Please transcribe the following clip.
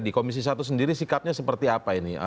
di komisi satu sendiri sikapnya seperti apa ini